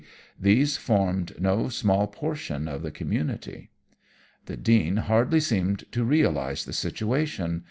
these formed no small portion of the community. "The Dean hardly seemed to realize the situation.